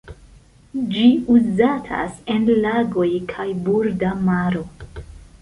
Ĝi uzatas en lagoj kaj borda maro.